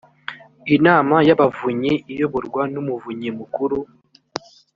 inama y ‘abavunyi iyoborwa n’ umuvunyi mukuru